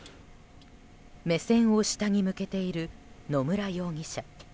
目線を下に向けている野村容疑者。